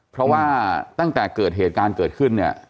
เพราะว่าตั้งแต่เกิดเหตุการณ์เกิดขึ้นเนี่ย